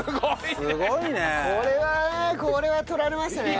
これはこれは取られましたね。